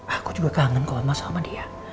aku juga kangen kalo emas sama dia